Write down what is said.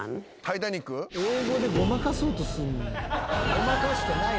ごまかしてない。